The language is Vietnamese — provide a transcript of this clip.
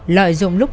lợi dụng lúc